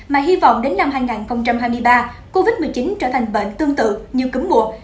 mà hy vọng đến năm hai nghìn hai mươi ba covid một mươi chín trở thành bệnh tương tự như cúm mùa